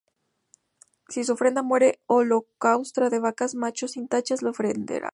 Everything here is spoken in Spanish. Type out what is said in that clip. Si su ofrenda fuere holocausto de vacas, macho sin tacha lo ofrecerá